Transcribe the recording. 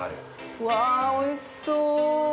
うわあ、おいしそう。